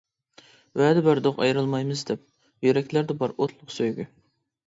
ۋەدە بەردۇق ئايرىلمايمىز دەپ، يۈرەكلەردە بار ئوتلۇق سۆيگۈ.